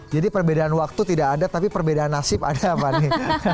jadi perbedaan waktu tidak ada tapi perbedaan nasib ada mbak fani